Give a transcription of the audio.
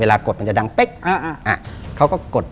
เวลากดมันจะดังเป๊๊๊คเขาก็กด